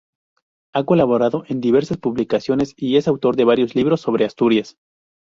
Ha colaborado en diversas publicaciones y es autor de varios libros sobre Asturias.